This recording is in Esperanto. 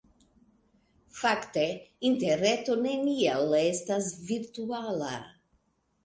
Fakte Interreto neniel estas virtuala.